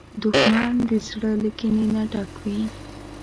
دښمن د زړه له کینې نه ډک وي